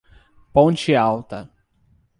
Ponte Alta